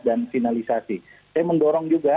dan finalisasi saya menggorong juga